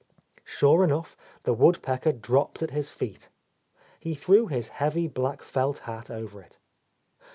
Sure enough, the woodpecker dropped at his feet. He threw his , heavy black felt hat over it.